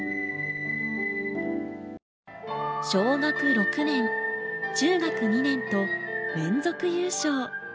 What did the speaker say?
小学６年中学２年と連続優勝。